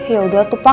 yaudah tuh pak